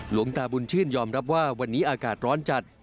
หลวงตาบุญชื่นยอมรับว่าวันนี้อากาศร้อนจัด